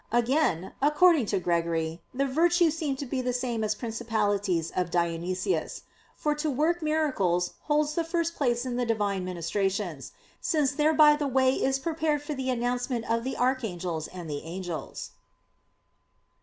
Again, according to Gregory, the "Virtues" seem to be the same as "Principalities" of Dionysius. For to work miracles holds the first place in the Divine ministrations; since thereby the way is prepared for the announcements of the "Archangels" and the "Angels."